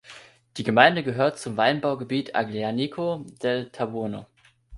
Die Gemeinde gehört zum Weinbaugebiet Aglianico del Taburno.